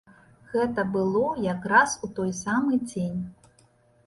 Гэта было якраз у той самы дзень.